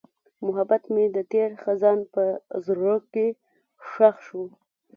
محبت مې د تېر خزان په زړه کې ښخ شو.